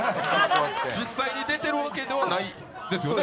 実際に出てるわけじゃないよね？